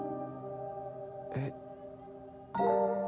えっ。